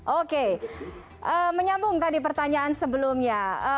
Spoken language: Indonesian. oke menyambung tadi pertanyaan sebelumnya